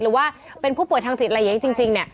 หรือว่าเป็นผู้ป่วยทางจิตอะไรอย่างนี้จริงเนี่ย